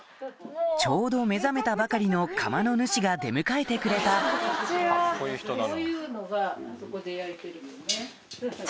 ちょうど目覚めたばかりの窯の主が出迎えてくれたいや。